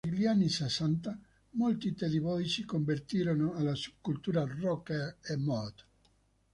Negli anni sessanta, molti teddy boy si convertirono alla subcultura rocker e mod.